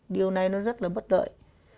điều này nó rất là bất đợi